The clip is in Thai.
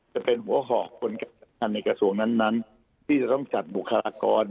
จะเป็นหัวหอคศคนการการในกระสวนั้นที่จะต้องจัดบุคลากร